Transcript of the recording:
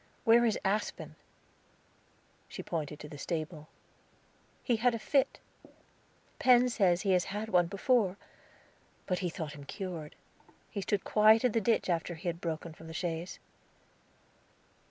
"Where is Aspen?" She pointed to the stable. "He had a fit. Penn says he has had one before; but he thought him cured. He stood quiet in the ditch after he had broken from the chaise."